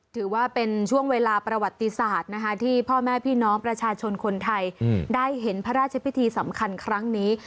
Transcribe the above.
ถือว่าเป็นช่วงเวลาประวัติศาสตร์นะคะที่พ่อแม่พี่น้องประชาชนคนไทยได้เห็นพระราชพิธีสำคัญครั้งนี้